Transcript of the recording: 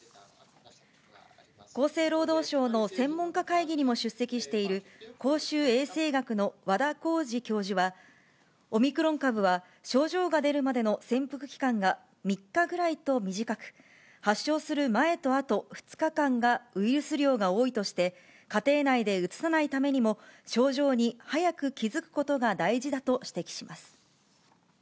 厚生労働省の専門家会議にも出席している公衆衛生学の和田耕治教授は、オミクロン株は、症状が出るまでの潜伏期間が３日ぐらいと短く、発症する前とあと２日間がウイルス量が多いとして、家庭内でうつさないためにも、症状に早く気付くことが大事だと指摘します。